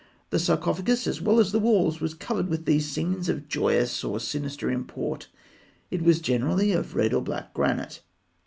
The sarcophagus, as well as the walls, was covered with these scenes of joyous or sinister import. It was generally of red or black granite.